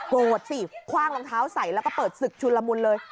สิคว่างรองเท้าใส่แล้วก็เปิดศึกชุนละมุนเลย